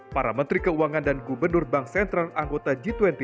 para menteri keuangan dan gubernur bank sentral anggota g dua puluh